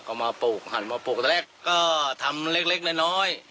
ก็มาปลูกหันมาปลูกตอนแรกก็ทำเล็กเล็กน้อยน้อย